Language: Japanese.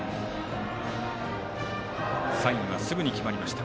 サインはすぐに決まりました。